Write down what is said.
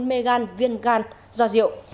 hôn mê gan viên gan do rượu